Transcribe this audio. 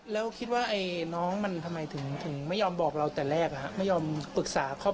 แล้วคิดว่าน้องมันทำไมถึงไม่ยอมบอกเราแต่แรกไม่ยอมปรึกษาครอบครัว